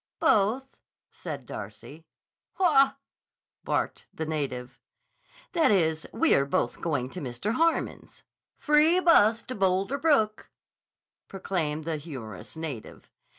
"Both," said Darcy. "Haw!" barked the native. "That is, we are both going to Mr. Harmon's." "Free bus to Boulder Brook," proclaimed the humorous native.